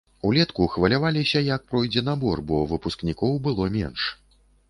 Улетку хваляваліся, як пройдзе набор, бо выпускнікоў было менш.